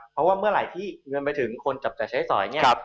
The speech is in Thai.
เพราะว่าเมื่อไหร่ที่เงินไปถึงคนจับจ่ายใช้สอยเนี่ย